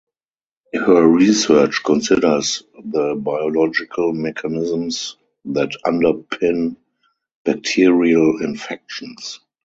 Her research considers the biological mechanisms that underpin bacterial infections.